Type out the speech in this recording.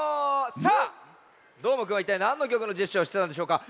さあどーもくんはいったいなんのきょくのジェスチャーをしてたんでしょうか？